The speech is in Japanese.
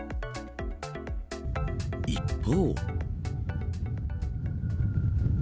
一方。